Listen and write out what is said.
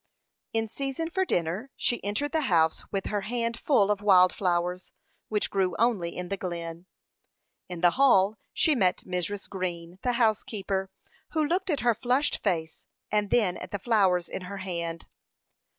In season for dinner, she entered the house with her hand full of wild flowers, which grew only in the Glen. In the hall she met Mrs. Green, the housekeeper, who looked at her flushed face, and then at the flowers in her hand.